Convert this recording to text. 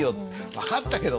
分かったけど」